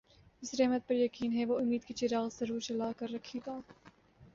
جسے رحمت پر یقین ہے وہ امید کے چراغ ضرور جلا کر رکھے گا